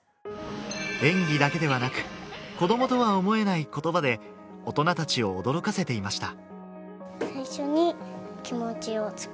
・演技だけではなく子供とは思えない言葉で大人たちを驚かせていました